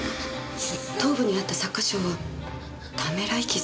頭部にあった擦過傷はためらい傷。